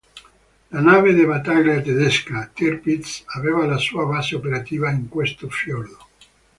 La nave da battaglia tedesca "Tirpitz" aveva la sua base operativa in questo fiordo.